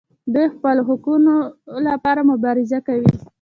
دوی د خپلو حقونو لپاره مبارزه کوي.